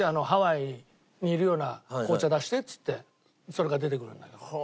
ハワイにいるような紅茶出してっつってそれが出てくるんだけど。